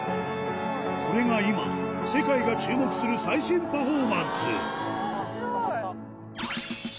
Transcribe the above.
これが今世界が注目する最新パフォーマンス